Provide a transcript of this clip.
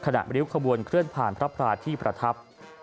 ขณะริ้วขบวนเข้าผ่านพระพราชที่ประทับ